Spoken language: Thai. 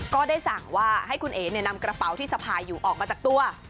ก็ได้สั่งว่าให้คุณเอ๋นำกระเป๋าที่สะพายอยู่ออกมาจากตัว